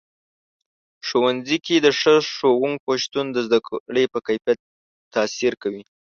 ښوونځي کې د ښه ښوونکو شتون د زده کړې په کیفیت تاثیر کوي.